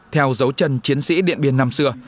theo dấu chân chiến sĩ điện biên năm xưa